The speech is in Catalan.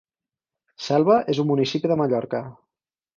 Selva és un municipi de Mallorca.